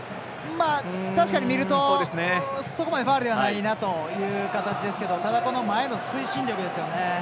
そこまでファウルではないなという感じですけどただ、前の推進力ですよね。